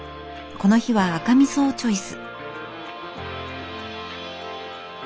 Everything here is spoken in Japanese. この日は赤みそをチョイス。